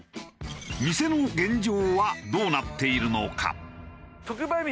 店の現状はどうなっているのか？